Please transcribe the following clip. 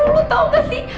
lo tau gak sih